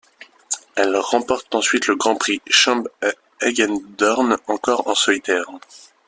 Elle remporte ensuite le Grand Prix Cham-Hagendorn, encore en solitaire.